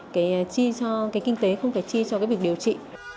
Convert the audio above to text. cái chi cho cái kinh tế không phải chi cho cái việc điều trị